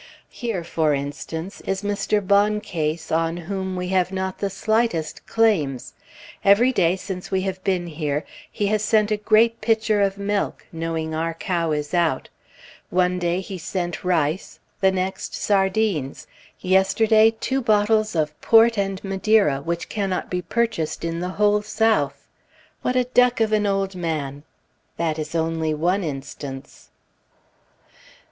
Here, for instance, is Mr. Bonnecase on whom we have not the slightest claims. Every day since we have been here, he has sent a great pitcher of milk, knowing our cow is out; one day he sent rice, the next sardines, yesterday two bottles of Port and Madeira, which cannot be purchased in the whole South. What a duck of an old man! That is only one instance.